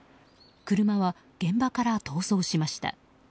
車は現場から逃走しました。